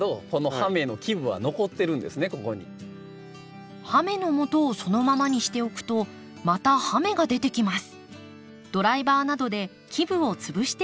葉芽のもとをそのままにしておくとまた葉芽が出てきます。